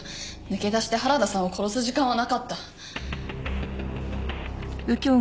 抜け出して原田さんを殺す時間はなかった。